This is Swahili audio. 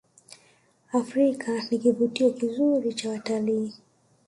afrika ni kivutio kizuri cha wataliii